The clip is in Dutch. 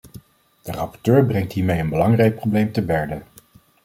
De rapporteur brengt hiermee een belangrijk probleem te berde.